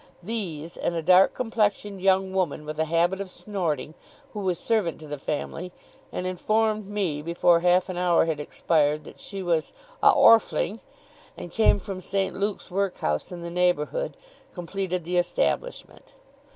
These, and a dark complexioned young woman, with a habit of snorting, who was servant to the family, and informed me, before half an hour had expired, that she was 'a Orfling', and came from St. Luke's workhouse, in the neighbourhood, completed the establishment.